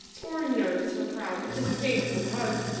Scorn nerves her proud, disdainful heart